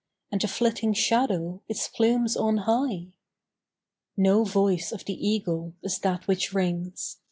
And the flitting shadow, its plumes on high? No voice of the eagle is that which rings!